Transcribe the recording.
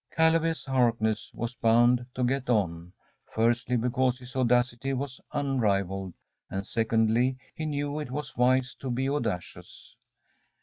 Caleb S. Harkness was bound to get on. Firstly, because his audacity was unrivalled, and secondly, he knew it was wise to be audacious.